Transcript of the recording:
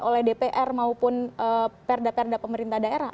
oleh dpr maupun perda perda pemerintah daerah